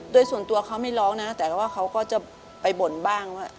โดยส่วนตัวเขาไม่ร้องนะแต่ว่าเขาก็จะไปบ่นบ้างว่า